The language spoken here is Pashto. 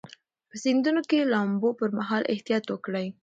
په سیندونو کې د لامبو پر مهال احتیاط وکړئ.